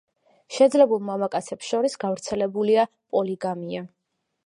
შეძლებულ მამაკაცებს შორის გავრცელებულია პოლიგამია.